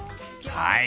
はい。